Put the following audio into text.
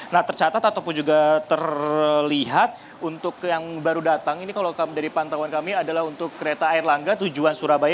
nah tercatat ataupun juga terlihat untuk yang baru datang ini kalau dari pantauan kami adalah untuk kereta air langga tujuan surabaya